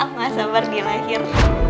aku gak sabar dia lahir